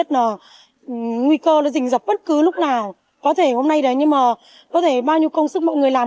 nguy cơ nó dình dập bất cứ lúc nào có thể hôm nay đấy nhưng mà có thể bao nhiêu công sức mọi người làm